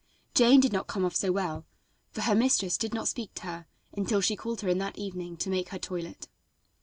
Jane did not come off so well, for her mistress did not speak to her until she called her in that evening to make her toilet.